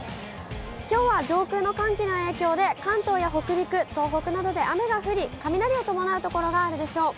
きょうは上空の寒気の影響で関東や北陸、東北などで雨が降り、雷を伴う所があるでしょう。